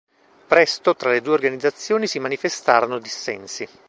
Presto tra le due organizzazioni si manifestarono dissensi.